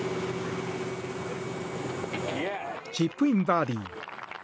チップインバーディー。